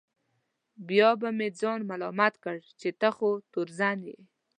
بیا به مې ځان ملامت کړ چې ته خو تورزن یې.